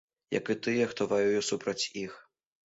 Як і тыя, хто ваюе супраць іх.